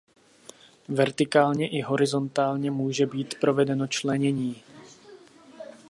Vertikálně i horizontálně může být provedeno členění.